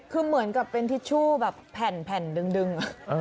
คือเหมือนกับเป็นทิชชู่แบบแผ่นดึง